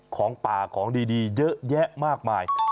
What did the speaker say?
ของป่าของดีเยอะแยะมากมาย